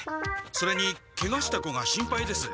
それにケガした子が心配です。